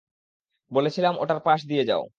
বলেছিলাম ওটার পাশ দিয়ে যাও।